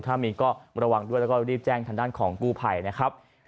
ถ้ามีก็ระวังด้วยแล้วก็รีบแจ้งทางด้านของกู้ภัยนะครับ